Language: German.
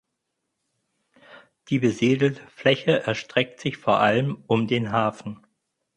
Die besiedelte Fläche erstreckt sich vor allem um den Hafen.